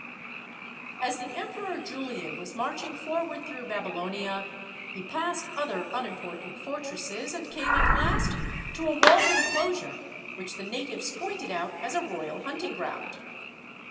: As the Emperor Julian was marching forward through Babylonia, he passed other unimportant fortresses, and came at last to a walled enclosure, which the natives pointed out as a royal hunting ground.